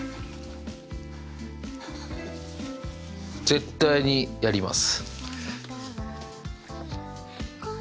絶対にやります。